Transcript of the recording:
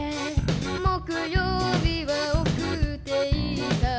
「木曜日は送っていった」